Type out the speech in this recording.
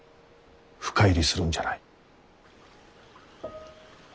深入りするんじゃない。